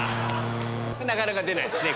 なかなか出ないですね。